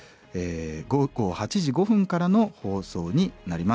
午後８時５分からの放送になります。